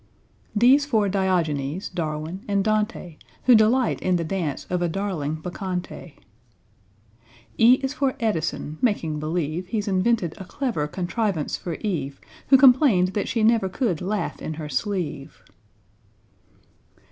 =D='s for =D=iogenes, =D=arwin, and =D=ante, Who delight in the dance Of a =D=arling Bacchante. =E= is for =E=dison, making believe He's invented a clever contrivance for =E=ve, Who complained that she never could laugh in her sleeve.